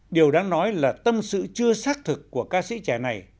điều đáng nói là tâm sự chưa xác thực của ca sĩ trẻ này